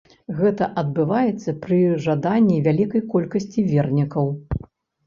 Гэта адбываецца пры жаданні вялікай колькасці вернікаў.